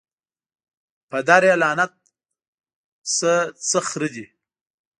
پدر یې لعنت سه څه خره دي